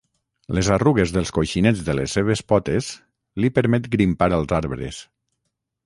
Les arrugues dels coixinets de les seves potes li permet grimpar als arbres.